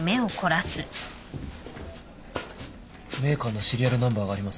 メーカーのシリアルナンバーがありません。